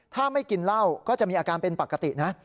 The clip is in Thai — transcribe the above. ถ้าไม่กินเหล้าก็จะมีอาการเป็นปกตินะ